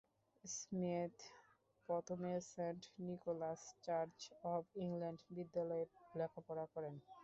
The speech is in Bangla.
স্মিথ প্রথমে Saint Nicholas Church of England বিদ্যালয়ে লেখাপড়া করেন।